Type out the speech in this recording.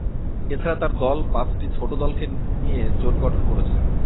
এ ছাড়া তার দল পাঁচটি ছোট দলকে নিয়ে জোট গঠন করেছে।